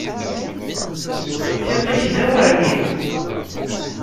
Tiṭ-ik d awermi.